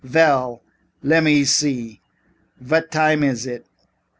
"Ve ell, lemme see. Vot time iss it?"